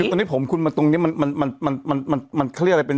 ตอนนี้ผมคุณมาตรงนี้มันเขาเรียกอะไรเป็น